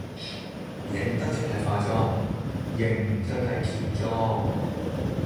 認得出係化妝，認唔出係喬妝